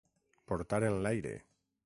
Portar en l'aire.